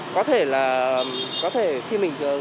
có thể là có thể khi mình